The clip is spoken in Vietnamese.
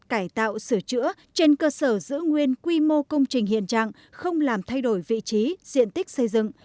cải tạo sửa chữa trên cơ sở giữ nguyên quy mô công trình hiện trạng không làm thay đổi vị trí diện tích xây dựng